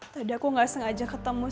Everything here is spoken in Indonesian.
tadi aku gak sengaja ketemu kak